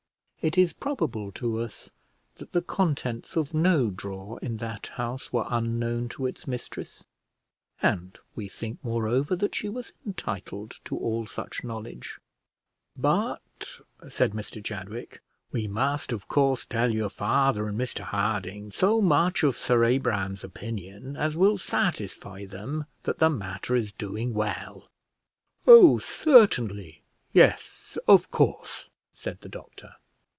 It is probable to us that the contents of no drawer in that house were unknown to its mistress, and we think, moreover, that she was entitled to all such knowledge. "But," said Mr Chadwick, "we must, of course, tell your father and Mr Harding so much of Sir Abraham's opinion as will satisfy them that the matter is doing well." "Oh, certainly, yes, of course," said the doctor.